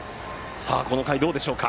さあ、この回どうでしょうか？